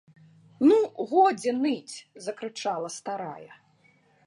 - Ну, годзе ныць! - закрычала старая